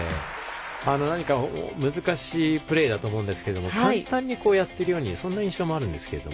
何か難しいプレーだと思うんですけど簡単にやっているようにそんな印象もあるんですけれども。